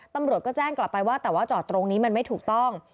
ตำรวจก็แจ้งกลับไปว่าแต่ว่าจอดตรงนี้มันไม่ถูกต้อง